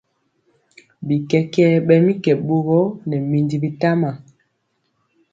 Bikɛkɛ ɓɛ mi kɛ ɓogɔ nɛ minji bitama.